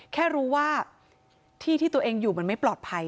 แค่รู้ว่าที่ที่ตัวเองอยู่มันไม่ปลอดภัย